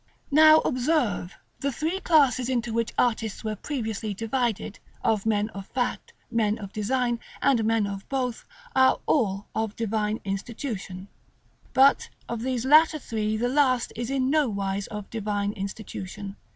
§ LV. Now, observe: the three classes into which artists were previously divided, of men of fact, men of design, and men of both, are all of Divine institution; but of these latter three, the last is in no wise of Divine institution.